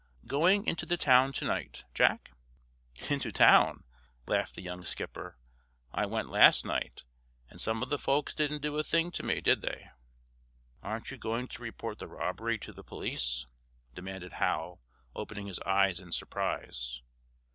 Going into the town to night, Jack?" "Into town?" laughed the young skipper. "I went last night—and some of the folks didn't do a thing to me, did they?" "Aren't you going to report the robbery to the police?" demanded Hal, opening his eyes in surprise.